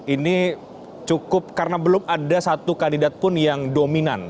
ini cukup karena belum ada satu kandidat pun yang dominan